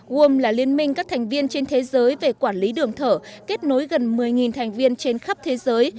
wom là liên minh các thành viên trên thế giới về quản lý đường thở kết nối gần một mươi thành viên trên khắp thế giới